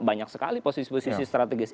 banyak sekali posisi posisi strategis